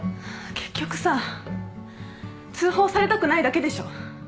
結局さ通報されたくないだけでしょ？